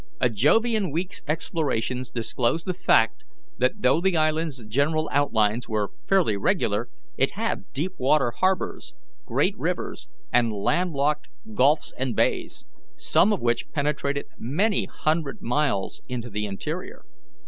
A Jovian week's explorations disclosed the fact that though the island's general outlines were fairly regular, it had deep water harbours, great rivers, and land locked gulfs and bays, some of which penetrated many hundred miles into the interior.